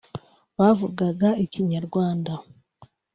Bavugaga ikinyarwanda